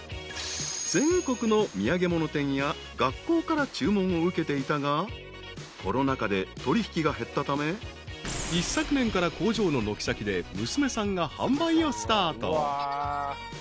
［全国の土産物店や学校から注文を受けていたがコロナ禍で取引が減ったため一昨年から工場の軒先で娘さんが販売をスタート］